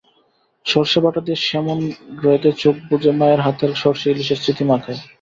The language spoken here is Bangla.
সরষে বাটা দিয়ে স্যামন রেঁধে চোখ বুজে মায়ের হাতের সরষে-ইলিশের স্মৃতি মাখাই।